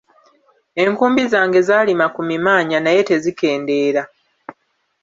Enkumbi zange zaalima ku mimaanya naye tezikendeera.